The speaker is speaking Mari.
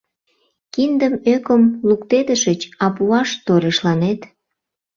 — Киндым ӧкым луктедышыч, а пуаш торешланет.